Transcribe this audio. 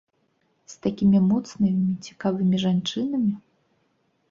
З такімі моцнымі, цікавымі жанчынамі?